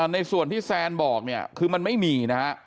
ในส่วนที่แซนบอกเนี่ยคือมันไม่มีนะฮะ